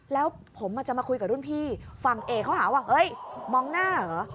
แล้วผมจะมาคุยกับรุ่นพี่ฝั่งเอกเขาหาว่าเฮ้ยมองหน้าเหรอ